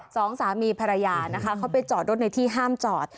สองสามีภรรยานะคะเขาไปจอดรถในที่ห้ามจอด